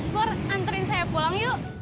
mas pur anterin saya pulang yuk